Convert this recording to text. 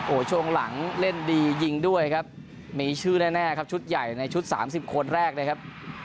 โอ้โหช่วงหลังเล่นดียิงด้วยครับมีชื่อแน่ครับชุดใหญ่ในชุด๓๐คนแรกเลยครับ